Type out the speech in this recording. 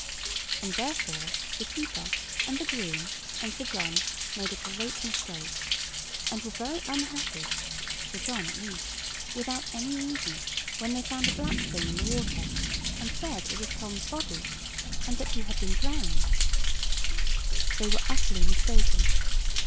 And, therefore, the keeper, and the groom, and Sir John made a great mistake, and were very unhappy (Sir John at least) without any reason, when they found a black thing in the water, and said it was Tom's body, and that he had been drowned. They were utterly mistaken.